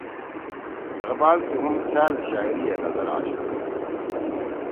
اقبال سی ہُم تھأل شاعری ئے نظر آشُو